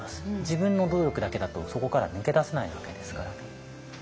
自分の努力だけだとそこから抜け出せないわけですから。